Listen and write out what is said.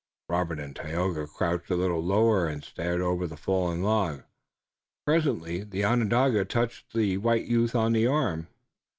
Robert and Tayoga crouched a little lower and stared over the fallen log. Presently the Onondaga touched the white youth on the arm.